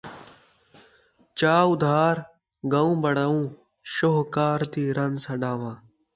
چا ادھار ڳئوں بݨاوں ، شوہکار دی رن سݙان٘واں